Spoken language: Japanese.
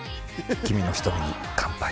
君の瞳に乾杯。